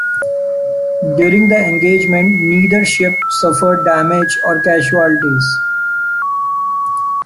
During the engagement neither ship suffered damage or casualties.